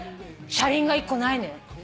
車輪が１個ないのよ。